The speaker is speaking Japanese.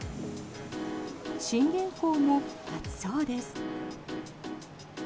信玄公も暑そうです。